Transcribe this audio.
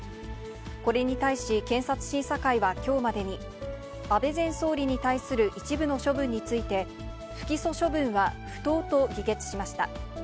これに対し検察審査会は、きょうまでに、安倍前総理に対する一部の処分について、不起訴処分は不当と議決しました。